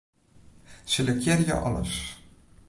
Selektearje alles.